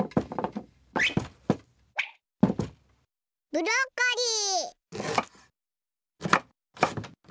ブロッコリー！